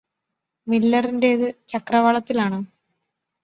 മില്ലറിന്റെത് ചക്രവാളത്തിലാണോ